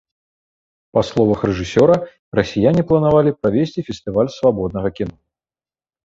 Па словах рэжысёра, расіяне планавалі правесці фестываль свабоднага кіно.